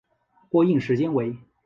播映时间为。